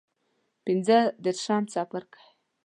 پنځه دیرشم څپرکی